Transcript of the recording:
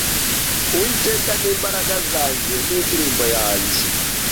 Uwiteka ni imbaraga zanjye, n’indirimbo yanjye